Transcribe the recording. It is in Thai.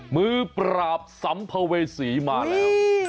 มือปราบสัมภเวษีมาแล้ว